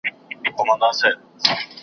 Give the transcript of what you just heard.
څه چي مي په زړه دي هغه ژبي ته راغلي دي .